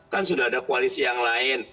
kan sudah ada koalisi yang lain